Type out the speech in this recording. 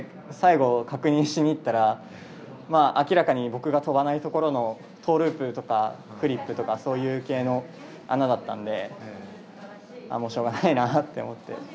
最後、確認しに行ったら明らかに僕が跳ばないところのトウループとかフリップのそういう系の穴だったのでしょうがないなって思って。